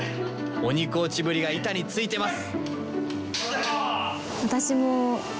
鬼コーチぶりが板についてます！